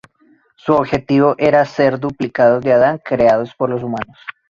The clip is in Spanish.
Su objetivo era hacer duplicados de Adán creados por los humanos.